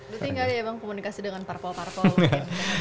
itu tinggal ya bang komunikasi dengan parpol parpol